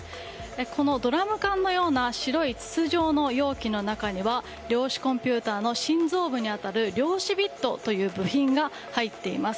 このドラム缶のような白い筒状の容器の中には量子コンピューターの心臓部に当たる量子ビットという部品が入っています。